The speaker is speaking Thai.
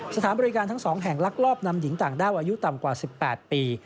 สถานบริการทั้ง๒แห่งลักลอบนำหญิงต่างด้าวอายุต่ำกว่า๑๘ปี